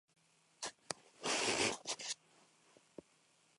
Ambos habían viajado juntos por Europa.